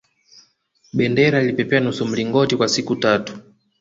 bendera ilipepea nusu mlingoti kwa siku tatu